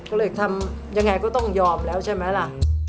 ก็เลยทำยังไงก็ต้องยอมแล้วใช่ไหมล่ะ